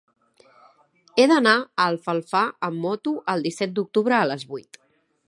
He d'anar a Alfafar amb moto el disset d'octubre a les vuit.